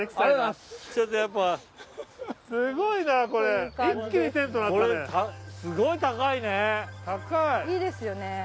れすごい高いね。